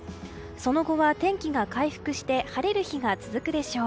その後は天気が回復して晴れる日が続くでしょう。